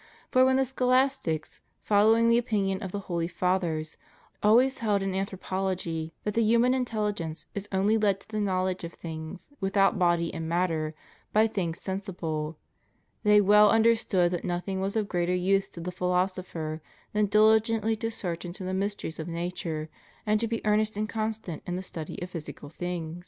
For when the scholastics, following the opinion of the holy Fathers, always held in anthropology that the human intelKgence is only led to the knowledge of things without body and matter by things sensible, they well understood that nothing was of greater use to the philosopher than dihgently to search into the mysteries of nature and to be earnest and constant in the study of physical things.